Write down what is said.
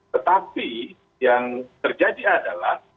tetapi yang terjadi adalah